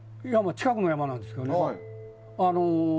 近くの山なんですけどね。